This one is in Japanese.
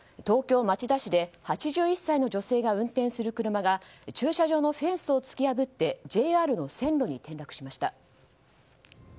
東京・町田市で８１歳の女性が運転する車が駐車場のフェンスを突き破ってＪＲの線路に転落しました。